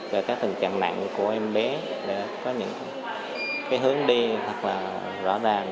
về các tình trạng nặng của em bé để có những hướng đi thật là rõ ràng